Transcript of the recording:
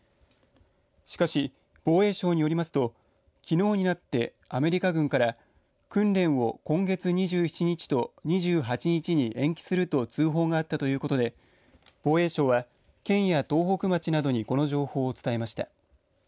しかし、防衛省によりますときのうになってアメリカ軍から訓練を今月２７日と２８日に延期すると通報があったということで防衛省は、県や東北町などにこの情報を伝えました。